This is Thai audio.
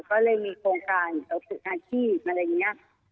ก็เลยมีโครงการเราฝึกอาชีพอะไรอย่างนี้